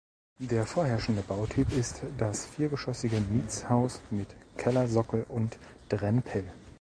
Der vorherrschende Bautyp ist das viergeschossige Mietshauses mit Kellersockel und Drempel.